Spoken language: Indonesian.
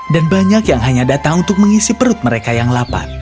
dan banyak yang hanya datang untuk mengisi perut mereka yang lapar